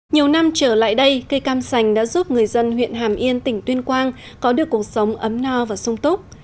nhiều năm trở lại đây cây cam sành đã giúp người dân huyện hàm yên tỉnh tuyên quang có được cuộc sống ấm no và sung túc